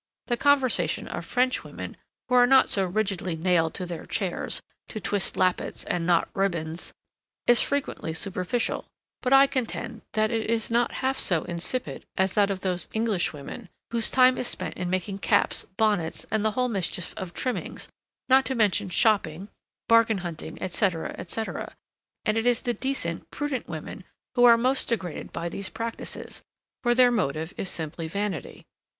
The conversation of French women, who are not so rigidly nailed to their chairs, to twist lappets, and knot ribbands, is frequently superficial; but, I contend, that it is not half so insipid as that of those English women, whose time is spent in making caps, bonnets, and the whole mischief of trimmings, not to mention shopping, bargain hunting, etc. etc.: and it is the decent, prudent women, who are most degraded by these practices; for their motive is simply vanity.